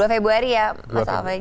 dua februari ya mas al fatih